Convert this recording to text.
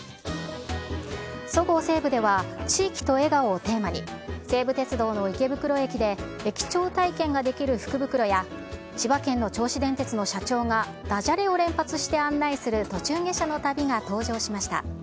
そごう・西武では、地域と笑顔をテーマに、西武鉄道の池袋駅で、駅長体験ができる福袋や、千葉県の銚子電鉄の社長が、だじゃれを連発して案内する途中下車の旅が登場しました。